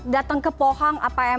datang ke pohang apa yang